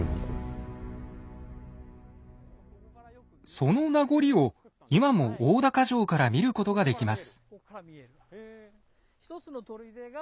その名残を今も大高城から見ることができます。